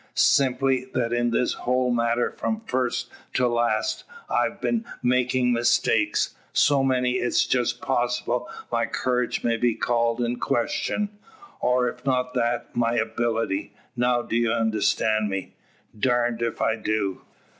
"Simply, that in this whole matter from first to last, I've een making mistakes. So many, it's just possible my courage may be called in question; or; if not that, my ability. Now, do you understand me?" "Darned ef I do."